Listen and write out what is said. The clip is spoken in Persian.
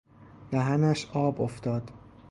دهنش آب افتاد